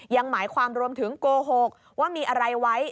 หมายความรวมถึงโกหกว่ามีอะไรไว้